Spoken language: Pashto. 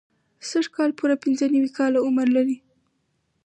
سږ کال پوره پنځه نوي کاله عمر لري.